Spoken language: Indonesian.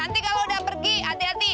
nanti kalau udah pergi hati hati